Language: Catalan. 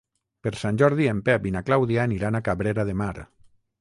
Per Sant Jordi en Pep i na Clàudia aniran a Cabrera de Mar.